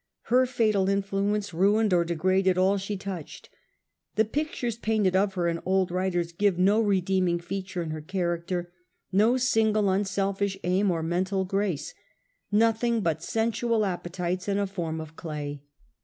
Her fatal influence ruined or degraded all she touched. The pictures painted of her in old writers give no redeeming features in her character, no single unselfish aim or mental grace, nothing but sensual appetites in a form of clay.